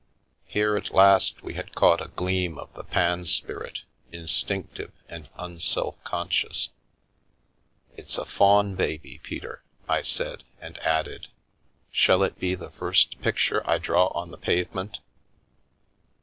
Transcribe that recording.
Here at last we had caught a gleam of the Pan spirit, instinctive and un self conscious. " It's a faun baby, Peter," I said, and added, " Shall it be the first picture I draw on the pavement?